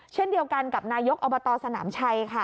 เช่นเดียวกันกับนายกอบตสนามชัยค่ะ